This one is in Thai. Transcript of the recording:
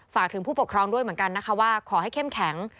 ฝากถึงผู้ปกครองด้วยเหมือนกันนะคะว่าขอให้เข้มแข็ง